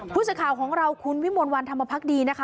ผู้สื่อข่าวของเราคุณวิมลวันธรรมพักดีนะคะ